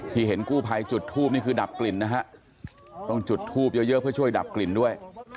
เห็นกู้ภัยจุดทูปนี่คือดับกลิ่นนะฮะต้องจุดทูบเยอะเพื่อช่วยดับกลิ่นด้วย